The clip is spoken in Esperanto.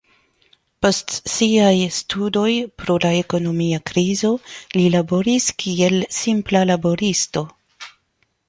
Post siaj studoj pro la ekonomia krizo li laboris kiel simpla laboristo.